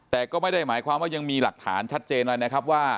แต่ก็ไม่ได้หมายความว่ายังมีหลักฐานชัดเจนอะไรนะครับว่า